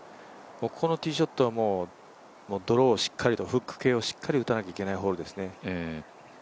ここのティーショットは泥を打ってフック系をしっかりと打たなきゃいけないホールですね。